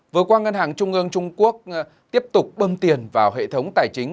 vừa qua ngân hàng trung ương trung quốc tiếp tục bơm tiền vào hệ thống tài chính